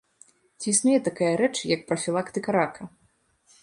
Ці існуе такая рэч, як прафілактыка рака?